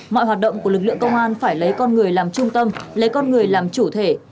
mọi hoạt động của lực lượng công an phải lấy con người làm trung tâm lấy con người làm chủ thể